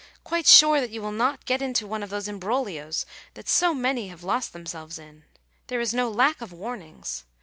quite sure that you will not get into one of those imbroglios that so many have lost themselves in ? There is no lack of warnings.